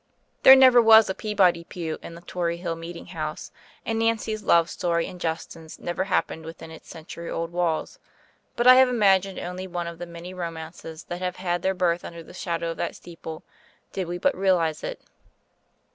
There never was a Peabody Pew in the Tory Hill Meeting House, and Nancy's love story and Justin's never happened within its century old walls; but I have imagined only one of the many romances that have had their birth under the shadow of that steeple, did we but realize it.